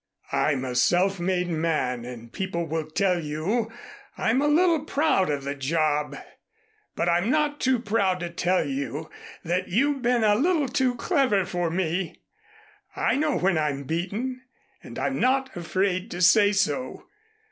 I'm a self made man and people will tell you I'm a little proud of the job. But I'm not too proud to tell you that you've been a little too clever for me. I know when I'm beaten and I'm not afraid to say so.